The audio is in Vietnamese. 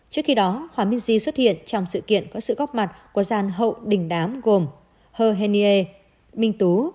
trước khi đó hòa minh di xuất hiện trong sự kiện có sự góc mặt của gian hậu đình đám gồm h henier minh tú